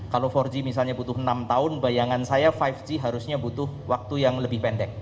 kalau empat g misalnya butuh enam tahun bayangan saya lima g harusnya butuh waktu yang lebih pendek